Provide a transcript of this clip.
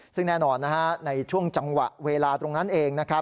ซึ่งแน่นอนในช่วงจังหวะเวลาตรงนั้นเองนะครับ